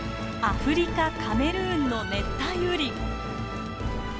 アフリカ・カメルーンの熱帯雨林。